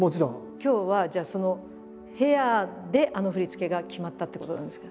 今日はじゃあそのヘアであの振り付けが決まったってことなんですか？